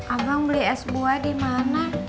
abang beli es buah di mana